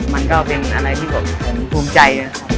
มันก็เป็นอะไรที่ผมภูมิใจนะครับ